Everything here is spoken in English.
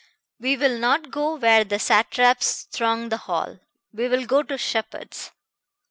We will not go where the satraps throng the hall. We will go to Sheppard's."